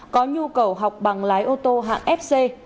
có nhu cầu học bằng lái ô tô hạng fc